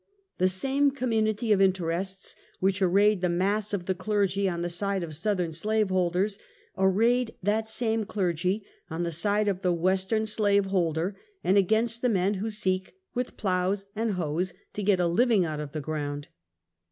The same community of interests which arrayed the mass of the clergy on the side of Southern slaveholders, arrayed that same clergy on the side of the Western slave holder, and against the men who seek, with plows and hoes, to get a living out of the ground.